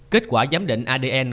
kết quả giám định adn